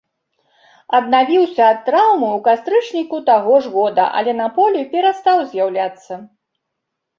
Аднавіўся ад траўмы ў кастрычніку таго ж года, але на полі перастаў з'яўляцца.